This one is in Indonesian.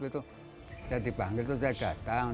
saya dipanggil terus saya datang